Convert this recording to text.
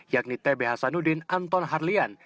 yakni tb hasanuddin anton harlian